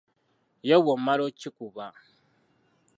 Ye bw’omala okikuba